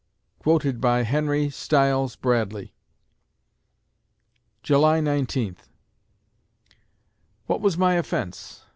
(Quoted by) HENRY STILES BRADLEY July Nineteenth What was my offense?